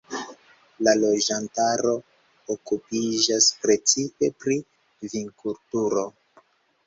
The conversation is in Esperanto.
La loĝantaro okupiĝas precipe pri vinkulturo.